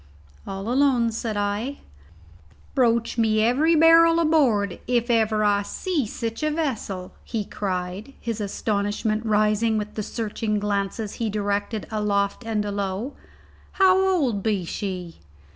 "All alone," said I. "Broach me every barrel aboard if ever I see sich a vessel," he cried, his astonishment rising with the searching glances he directed aloft and alow. "How old be she?"